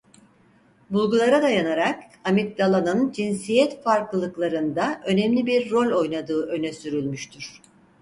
Bulgulara dayanarak amigdalanın cinsiyet farklılıklarında önemli bir rol oynadığı öne sürülmüştür.